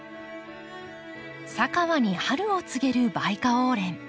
佐川に春を告げるバイカオウレン。